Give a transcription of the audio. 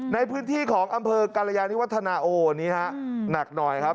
ในพื้นที่ของอำเภอกรยานิวัฒนาโอ้นี่ฮะหนักหน่อยครับ